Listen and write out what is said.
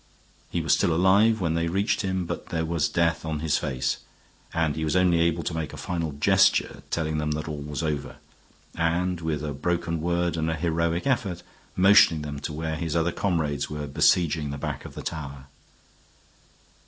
He was still alive when they reached him, but there was death on his face, and he was only able to make a final gesture telling them that all was over; and, with a broken word and a heroic effort, motioning them on to where his other comrades were besieging the back of the tower.